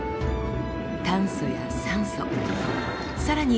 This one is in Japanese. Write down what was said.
炭素や酸素さらに